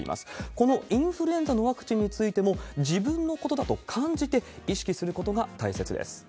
このインフルエンザのワクチンについても、自分のことだと感じて意識することが大切です。